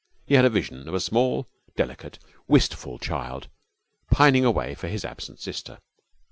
He had a vision of a small, delicate, wistful child pining away for his absent sister.